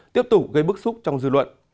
tiếp tục gây bức xúc trong dư luận